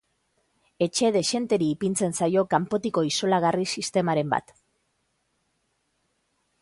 Etxe dexenteri ipintzen zaio kanpotiko isolagarri sistemaren bat.